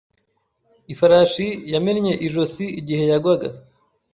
Ifarashi yamennye ijosi igihe yagwaga.